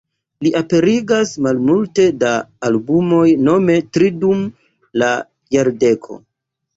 Li aperigas malmulte da albumoj, nome tri dum la jardeko.